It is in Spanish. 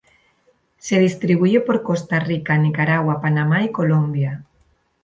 Se distribuye por Costa Rica, Nicaragua, Panamá y Colombia.